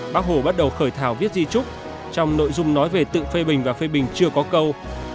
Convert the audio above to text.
bác hồ bắt đầu khởi thảo viết di trúc trong nội dung nói về tự phê bình và phê bình chưa có câu